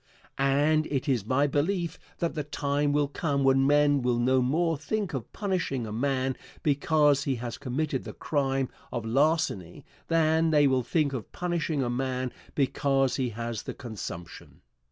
And it is my belief that the time will come when men will no more think of punishing a man because he has committed the crime of larceny than they will think of punishing a man because he has the consumption.